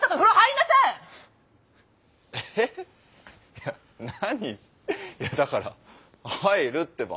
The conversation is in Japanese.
いや何いやだから入るってば。